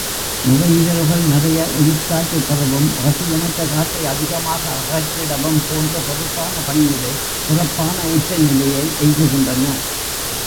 நுரையீரல்கள் நிறைய உயிர்க்காற்றைப் பெறவும், அவசியமற்ற காற்றை அதிகமாக அகற்றிடவும் போன்ற பொறுப்பான பணியிலே சிறப்பான உச்சநிலையை எய்துகின்றன.